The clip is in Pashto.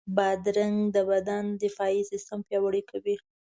بادرنګ د بدن دفاعي سیستم پیاوړی کوي.